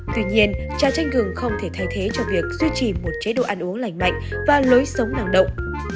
tuy nhiên trà tranh gừng không thể thay thế cho việc duy trì một chế độ ăn uống lành mạnh và lối sống năng động